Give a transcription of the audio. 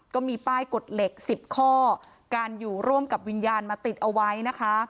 ก็มีป้ายกฎเหล็ก๑๐ข้อการอยู่ร่วมกับวิญญาณมาติดเอาไว้นะคะ